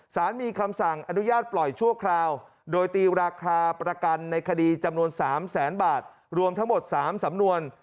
สารมีคำสั่งอนุญาตปล่อยชั่วคราวโดยตีราคาประกันในคดีจำนวน๓แสนบาทรวมทั้งหมด๓สำนวน